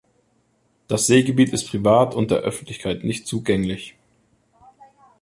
Das Seegebiet ist privat und der Öffentlichkeit nicht zugänglich.